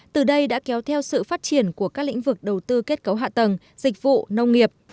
từ đây đã kéo theo sự phát triển của các lĩnh vực đầu tư kết cấu hạ tầng dịch vụ nông nghiệp